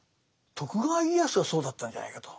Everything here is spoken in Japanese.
徳川家康がそうだったんじゃないかと。